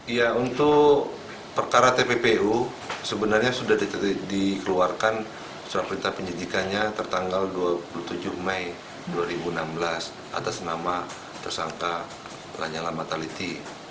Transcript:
ya untuk perkara tppu sebenarnya sudah dikeluarkan surat perintah penyidikannya tertanggal dua puluh tujuh mei dua ribu enam belas atas nama tersangka lanyala mataliti